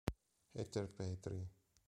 Heather Petri